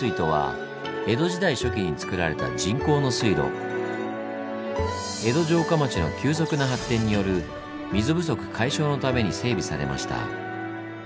実はこの江戸城下町の急速な発展による水不足解消のために整備されました。